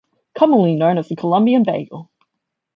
Commonly known as the Colombian bagel.